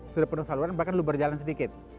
sudah penuh saluran bahkan lubar jalan sedikit